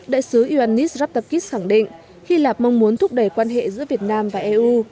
đại sứ ioannis raptakis khẳng định hy lạp mong muốn thúc đẩy quan hệ giữa việt nam và eu